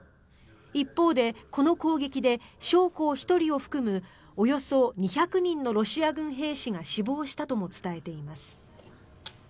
一方でこの攻撃で将校１人を含むおよそ２００人のロシア軍兵士が死亡したとも伝えています。